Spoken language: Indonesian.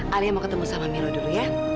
alia mau ketemu sama milo dulu ya